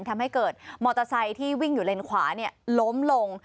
ทำให้เกิดมอเตอร์ไซค์ที่วิ่งอยู่เลนขวาล้มลง